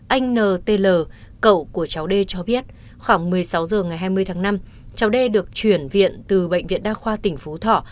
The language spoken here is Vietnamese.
anh n t l cậu của cháu d cho biết khoảng một mươi sáu h ngày hai mươi tháng năm cháu d được chuyển viện từ bệnh viện đa khoa tỉnh phú thỏ